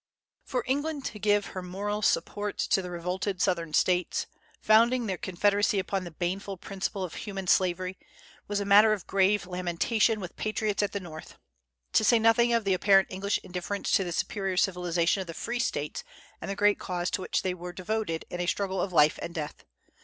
For England to give her moral support to the revolted Southern States, founding their Confederacy upon the baneful principle of human slavery, was a matter of grave lamentation with patriots at the North, to say nothing of the apparent English indifference to the superior civilization of the free States and the great cause to which they were devoted in a struggle of life and death.